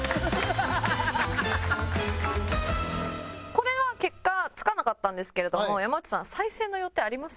これは結果つかなかったんですけれども山内さん再戦の予定あります？